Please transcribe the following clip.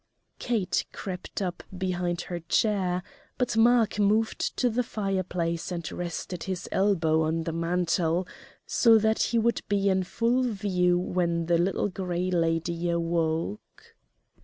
Kate crept up behind her chair, but Mark moved to the fireplace and rested his elbow on the mantel, so that he would be in full view when the Little Gray Lady awoke.